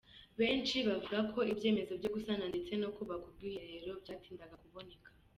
Benshi bavuga ko ibyemezo byo gusana ndetse no kubaka ubwiherero, byatindaga kuboneka.